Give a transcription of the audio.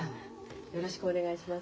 よろしくお願いします。